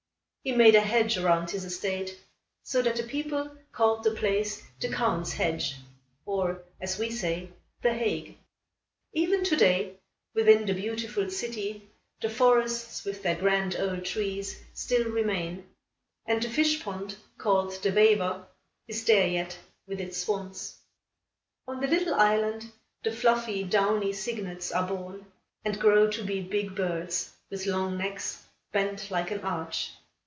He made a hedge around his estate, so that the people called the place the Count's Hedge; or, as we say, The Hague. Even to day, within the beautiful city, the forests, with their grand old trees, still remain, and the fish pond, called the Vijver, is there yet, with its swans. On the little island, the fluffy, downy cygnets are born and grow to be big birds, with long necks, bent like an arch.